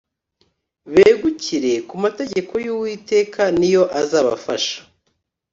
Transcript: begukire ku mategeko y uwiteka niyo azabafasha